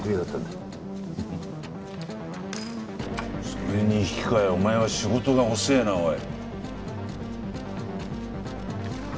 それに引き換えお前は仕事が遅えなおい。